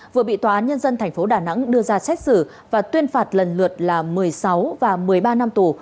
vừa bị tòa án nhân dân tp đà nẵng đưa ra xét xử và tuyên phạt lần lượt là một mươi sáu và một mươi ba năm tù